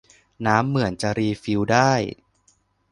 น้ำเหมือนจะรีฟิลได้